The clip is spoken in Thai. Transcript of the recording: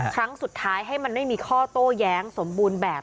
ครั้งสุดท้ายให้มันไม่มีข้อโต้แย้งสมบูรณ์แบบ